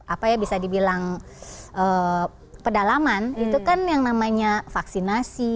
apa ya bisa dibilang pedalaman itu kan yang namanya vaksinasi